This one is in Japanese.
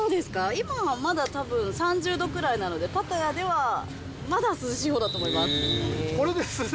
今はまだたぶん３０度くらいなので、パタヤではまだ涼しいほうだと思います。